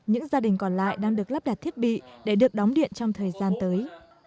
những gia đình còn lại đang được lắp đặt thiết bị để được đóng điện trong thời gian tới